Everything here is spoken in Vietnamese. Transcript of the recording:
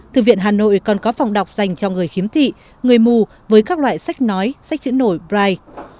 thư viện hà nội còn có phòng đọc dành cho người khiếm thị người mù với các loại sách nói sách chữ nổi bri